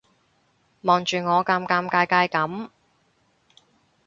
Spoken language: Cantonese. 望住我尷尷尬尬噉